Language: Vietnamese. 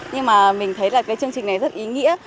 nhưng mà mình thấy là cái chương trình này rất ý nghĩa